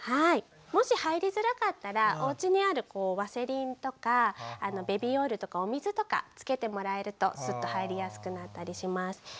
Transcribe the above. もし入りづらかったらおうちにあるワセリンとかベビーオイルとかお水とかつけてもらえるとスッと入りやすくなったりします。